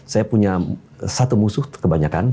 saya punya satu musuh kebanyakan